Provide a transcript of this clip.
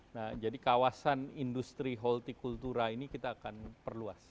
nah jadi kawasan industri horticultura ini kita akan perluas